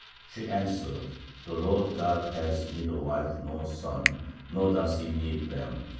She answered: "The Lord God has neither wife nor son, nor does He need them.